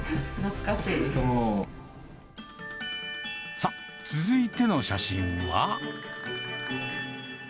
さあ、続いての写真は？